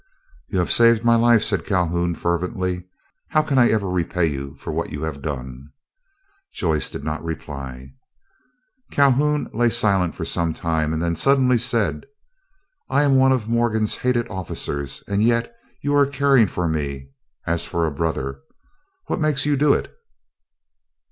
"You have saved my life," said Calhoun, fervently. "How can I ever repay you for what you have done?" Joyce did not reply. Calhoun lay silent for some time, and then suddenly said: "I am one of Morgan's hated officers, and yet you are caring for me as for a brother. What makes you do it?"